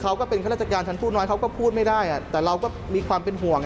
ครัวก็เป็นการถึงการคุ้นว่าเขาเข้าเข้าพูดไม่ได้แต่เราก็มีความเป็นผ่วง